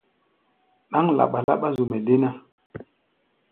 Ɗáŋ laɓa-laɓá zu-mɛ́ dé ná.